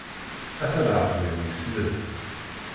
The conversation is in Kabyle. Ata leɛqel-iw yesleb.